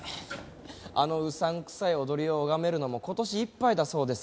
あのうさんくさい踊りを拝めるのも今年いっぱいだそうです。